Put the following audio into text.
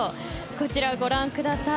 こちら、ご覧ください。